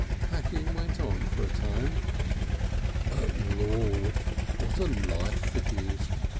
Packing went on for a time. "But Lord! what a Life it is!"